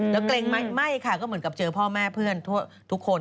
แล้วเกรงไหมไม่ค่ะก็เหมือนกับเจอพ่อแม่เพื่อนทุกคน